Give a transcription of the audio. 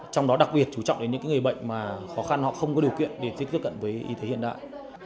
trong đó đặc biệt chú trọng đến những người bệnh mà khó khăn họ không có điều kiện để tiếp cận với y tế hiện đại